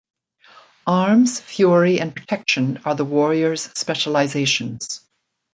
Arms, Fury, and Protection are the Warrior's specializations.